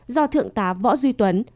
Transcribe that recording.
do thượng tá võ duy tuấn